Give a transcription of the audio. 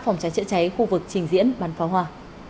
phòng cháy chữa cháy khu vực trình diễn bán pháo hoa